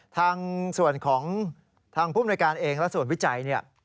ทางส่วนของผู้บริการเองและส่วนวิจัย